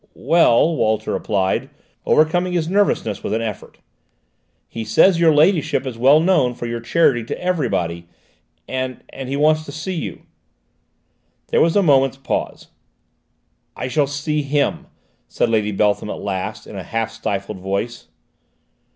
"Well," Walter replied, overcoming his nervousness with an effort, "he says your ladyship is well known for your charity to everybody, and he wants to see you." There was a moment's pause. "I will see him," said Lady Beltham at last, in a half stifled voice.